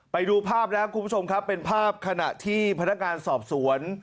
ไปดูภาพแล้วคุณผู้ชมครับเป็นภาพขณะที่พนักงานสอบสวน